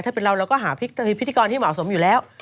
ถ้าเป็นเราเราก็หาพิธีกรที่เหมาะสมอยู่แล้ว